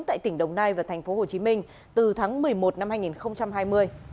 tại tỉnh đồng nai và tp hcm từ tháng một mươi một năm hai nghìn hai mươi